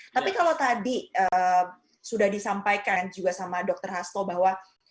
tapi kalau tadi sudah disampaikan juga sama dr hasto bahwa